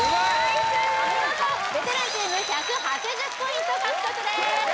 お見事ベテランチーム１８０ポイント獲得です